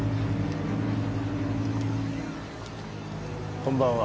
こんばんは。